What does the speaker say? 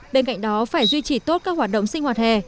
bên cạnh đó phải duy trì tốt các hoạt động sinh hoạt hè